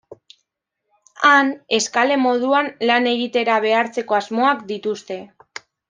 Han, eskale moduan lan egitera behartzeko asmoak dituzte.